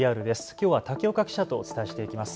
きょうは竹岡記者とお伝えしていきます。